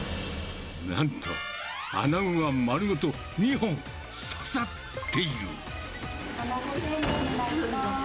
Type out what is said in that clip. なんと、アナゴが丸ごと２本刺さっている。